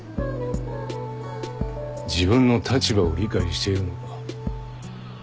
自分の立場を理解しているのか？